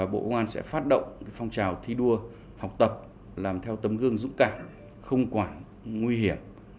bộ công an sẽ phát động phong trào thi đua học tập làm theo tấm gương dũng cảnh không quản nguy hiểm